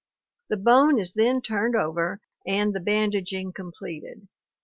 The bone is then turned over and the bandaging completed.